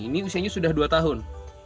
ini usianya sudah dua tahun